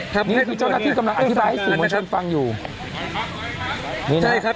นี่คือเจ้าหน้าที่กำลังอธิบายให้สื่อมวลชนฟังอยู่ดีใช่ครับ